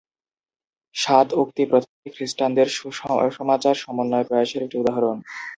সাত-উক্তি প্রথাটি খ্রিস্টানদের সুসমাচার সমন্বয় প্রয়াসের একটি উদাহরণ।